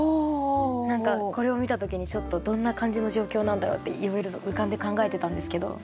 何かこれを見た時にちょっとどんな感じの状況なんだろうっていろいろと浮かんで考えてたんですけど。